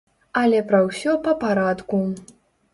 Але пра ўсё па-парадку.